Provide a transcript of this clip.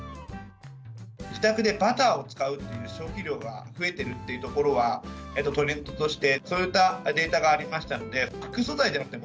自宅でバターを使うという消費者量が増えてるというところは、トレンドとして、そういったデータがありましたので、副素材ではなくて、